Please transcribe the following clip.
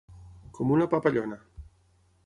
Com una papallona.